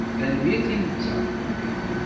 Tanemmirt i netta.